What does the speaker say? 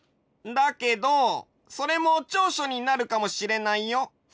だけどそれも長所になるかもしれないよ。